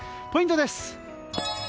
ポイントです。